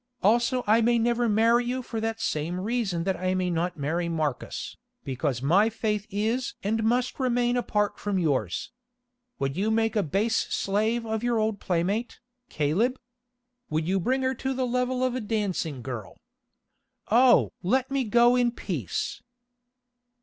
Also I may never marry you for that same reason that I may not marry Marcus, because my faith is and must remain apart from yours. Would you make a base slave of your old playmate, Caleb? Would you bring her to the level of a dancing girl? Oh! let me go in peace."